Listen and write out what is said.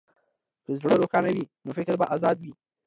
که زړه روښانه وي، نو فکر به ازاد وي.